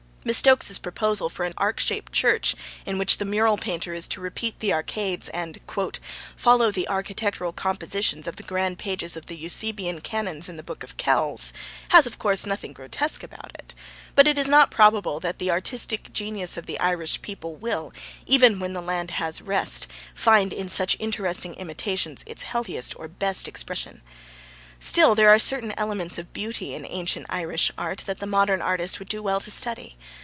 Miss Stokes's proposal for an ark shaped church in which the mural painter is to repeat the arcades and 'follow the architectural compositions of the grand pages of the Eusebian canons in the Book of Kells,' has, of course, nothing grotesque about it, but it is not probable that the artistic genius of the Irish people will, even when 'the land has rest,' find in such interesting imitations its healthiest or best expression. Still, there are certain elements of beauty in ancient Irish art that the modern artist would do well to study.